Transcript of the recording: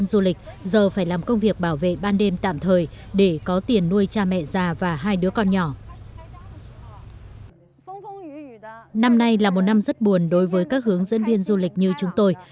năm nay là một năm rất buồn đối với các hướng dẫn viên du lịch như chúng tôi